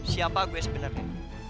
siapa gue sebenernya